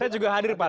saya juga hadir pak